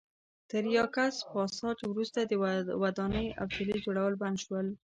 تر یاکس پاساج وروسته ودانۍ او څلي جوړول بند شول.